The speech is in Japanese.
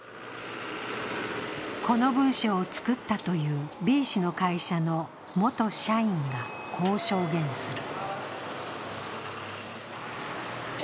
この文書を作ったというＢ氏の会社の元社員がこう証言する。